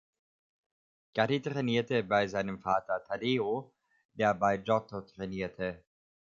Gaddi trainierte bei seinem Vater Taddeo, der bei Giotto trainierte.